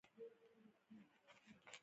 • لور د مینې یوه بېلګه ده.